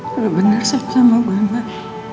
benar benar satu sama bapak